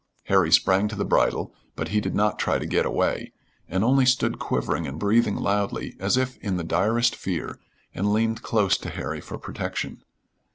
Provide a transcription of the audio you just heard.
Harry sprang to the bridle, but he did not try to get away, and only stood quivering and breathing loudly as if in the direst fear, and leaned close to Harry for protection.